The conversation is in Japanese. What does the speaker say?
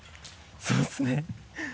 そうですね